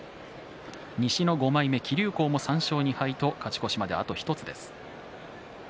西の５枚目、木竜皇も３勝２敗と勝ち越しまであと１つです。